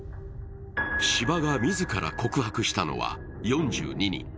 斯波が自ら告白したのは４２人。